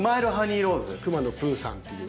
くまのプーさんっていう。